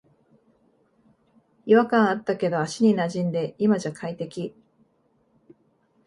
違和感あったけど足になじんで今じゃ快適